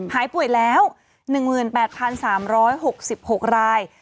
หายป่วยแล้ว๑๘๓๖๖ราย